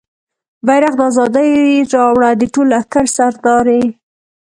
بیرغ د ازادۍ راوړه د ټول لښکر سردارې